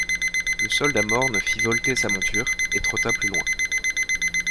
Le soldat morne fit volter sa monture, et trotta plus loin.